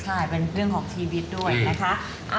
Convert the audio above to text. ใช่เป็นเรื่องของชีวิตด้วยนะคะ